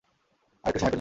আর একটু সময় পেলে।